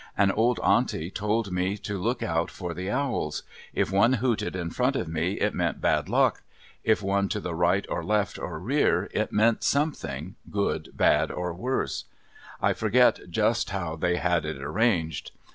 An old aunty told me to look out for the owls. If one hooted in front of me it meant bad luck; if one to the right or left or rear, it meant something good, bad or worse; I forget just how they had it arranged.